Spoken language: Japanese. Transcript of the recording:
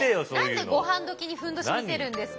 何でごはん時にふんどし見せるんですか。